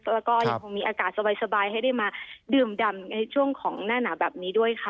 แล้วก็ยังคงมีอากาศสบายให้ได้มาดื่มดำในช่วงของหน้าหนาวแบบนี้ด้วยค่ะ